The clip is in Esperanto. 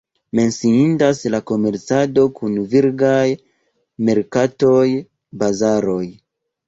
Menciindas la komercado kun viglaj merkatoj, bazaroj.